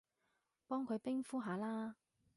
幫佢冰敷下啦